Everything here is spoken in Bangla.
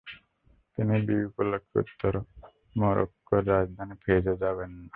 তিনি বিয়ে উপলক্ষে উত্তর মরক্কোর রাজধানী ফেজ-এ যাবেন না।